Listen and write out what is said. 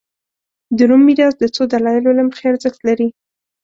د روم میراث د څو دلایلو له مخې ارزښت لري